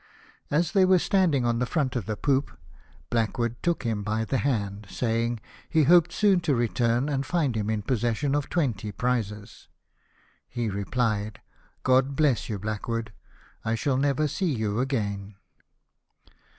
As they were standing on the front of the poop, Blackwood took him by the hand, saying, he hoped sood to return and find him in possession of twenty prizes. He repHed, "God bless you, Blackwood ; I shall never see you again."